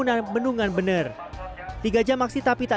yang menandatangani itu adalah pada dasar